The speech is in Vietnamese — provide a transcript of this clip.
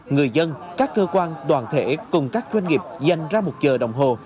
người dân các cơ quan đoàn thể cùng các doanh nghiệp dành ra một giờ đồng hồ